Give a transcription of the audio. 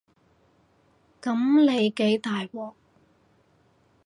噉你幾大鑊